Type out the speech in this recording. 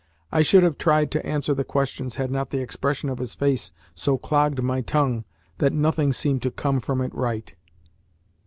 I should have tried to answer the questions had not the expression of his face so clogged my tongue that nothing seemed to come from it right.